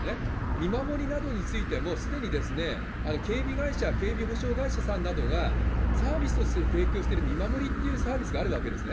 見守りなどについても、すでに警備会社、警備保障会社さんなどがサービスとして提供している見守りってサービスがあるわけですね。